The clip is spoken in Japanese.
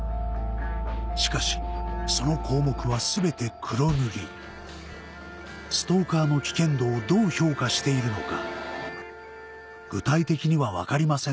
しかしその項目は全て黒塗りストーカーの危険度をどう評価しているのか